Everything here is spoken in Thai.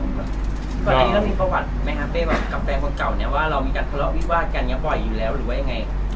ตอนนี้เรามีประวัติไหมครับเป้แบบกับแฟนคนเก่าเนี่ยว่าเรามีการทะเลาะวิวาดกันยังบ่อยอยู่แล้วหรือว่ายังไง